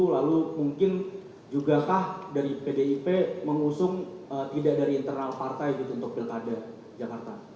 lalu mungkin jugakah dari pdip mengusung tidak dari internal partai gitu untuk pilkada jakarta